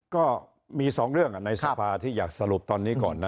ก็มี๒เรื่องในสภาที่อยากสรุปตอนนี้ก่อนนะ